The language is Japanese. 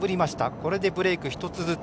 これでブレーク１つずつ。